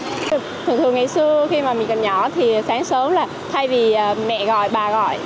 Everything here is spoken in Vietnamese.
thường thường ngày xưa khi mà mình còn nhỏ thì sáng sớm là thay vì mẹ gọi bà gọi